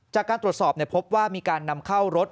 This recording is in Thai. จากการตรวจสอบพบว่ามีการนำเข้ารถ